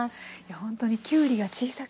ほんとにきゅうりが小さくてね